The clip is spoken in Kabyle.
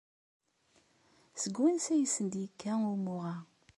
Seg wansi ay asen-d-yekka wumuɣ-a?